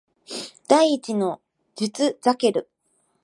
第一の術ザケル